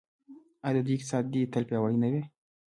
آیا د دوی اقتصاد دې تل پیاوړی نه وي؟